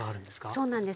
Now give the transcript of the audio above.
そうなんです。